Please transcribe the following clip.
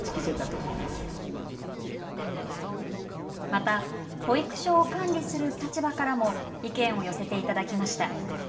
また保育所を管理する立場からも意見を寄せていただきました。